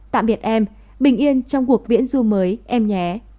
tạm biệt em bình yên trong cuộc biển ru mới em nhé